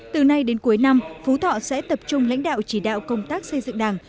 từ nay đến cuối năm phú thọ sẽ tập trung lãnh đạo chỉ đạo công tác xây dựng đảng